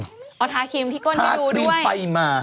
อ่อทาครีมที่ก้นไปดูด้วยทาครีมไปมา